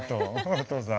お父さん。